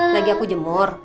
lagi aku jemur